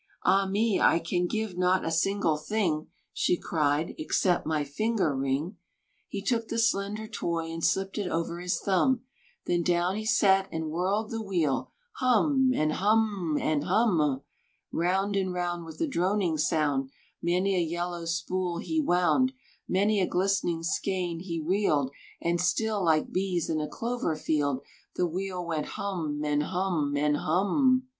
"Ah me, I can give not a single thing," She cried, "except my finger ring." He took the slender toy, And slipped it over his thumb; Then down he sat and whirled the wheel, Hum, and hum m, and hum m m; Round and round with a droning sound, Many a yellow spool he wound, Many a glistening skein he reeled; And still, like bees in a clover field, The wheel went hum, and hum m and hum m m.